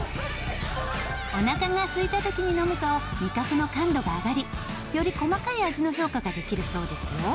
おなかが空いた時に飲むと味覚の感度が上がりより細かい味の評価ができるそうですよ。